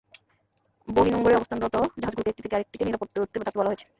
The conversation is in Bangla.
বহির্নোঙরে অবস্থানরত জাহাজগুলোকে একটি থেকে আরেকটিকে নিরাপদ দূরত্বে থাকতে বলা হয়েছে।